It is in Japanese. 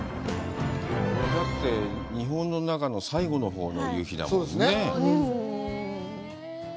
だって日本の中の最後のほうの夕日だもんね。